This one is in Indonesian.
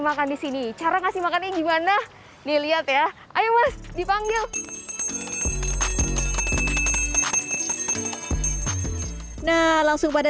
makan di sini cara ngasih makannya gimana nih lihat ya ayo mas dipanggil nah langsung pada